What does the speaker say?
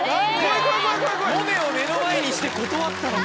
萌音を目の前にして断ったのか。